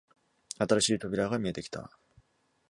新しい扉が見えてきた